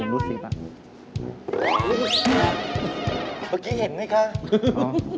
รู้สึกอะไรไหม